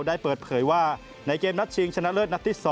ได้เปิดเผยว่าในเกมนัดชิงชนะเลิศนัดที่๒